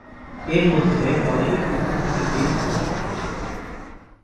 এর মধ্যে টলেমির পদ্ধতিটি বেশ গুরুত্বপূর্ণ ছিল।